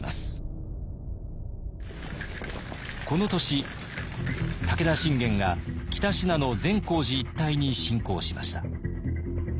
この年武田信玄が北信濃善光寺一帯に侵攻しました。